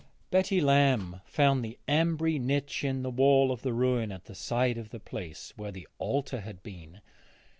Betty Lamb found the ambry niche in the wall of the ruin at the side of the place where the altar had been.